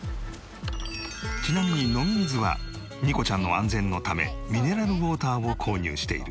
ちなみに飲み水はにこちゃんの安全のためミネラルウォーターを購入している。